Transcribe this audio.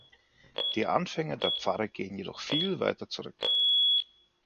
Die Anfänge der Pfarre gehen jedoch viel weiter zurück.